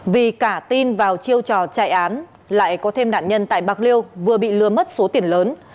vì cả tin vào chiêu trò chạy án lại có thêm nạn nhân tại bạc liêu vừa bị lừa mất số tiền lớn